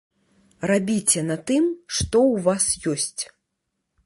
Рабіце на тым, што ў вас ёсць.